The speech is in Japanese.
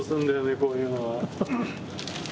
こういうのは。